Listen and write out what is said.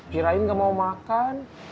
kirain gak mau makan